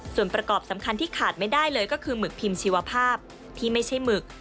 ส่วนประกอบสำคัญที่ขาดไม่ได้เลยก็คือหมึกพิมพ์ชีวภาพที่ไม่ใช่หมึก